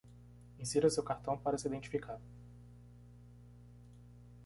Insira seu cartão para se identificar.